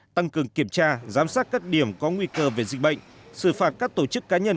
tăng cường kiểm tra giám sát các điểm có nguy cơ về dịch bệnh xử phạt các tổ chức cá nhân